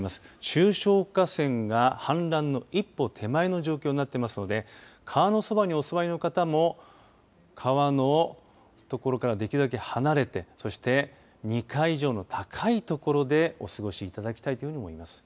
中小河川が氾濫の一歩手前の状況になっていますので川の側にお住まいの方も川の所からできるだけ離れてそして２階以上の高い所でお過ごしいただきたいと思います。